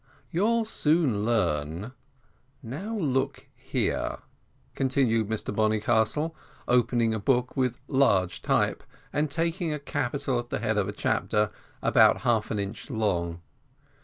You'll soon learn. Look now here," continued Mr Bonnycastle, opening a book with large type, and taking a capital at the head of a chapter, about half an inch long.